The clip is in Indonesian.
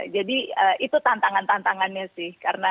jadi itu tantangan tantangannya sih